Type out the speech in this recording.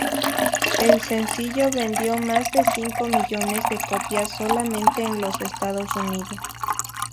El sencillo vendió más de cinco millones de copias solamente en los Estados Unidos.